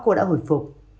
sau đó cô đã hồi phục